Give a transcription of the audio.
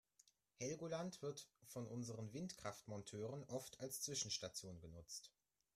Helgoland wird von unseren Windkraftmonteuren oft als Zwischenstation genutzt.